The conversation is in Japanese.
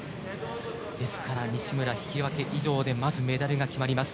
ですから、西村引き分け以上でまずメダルが決まります。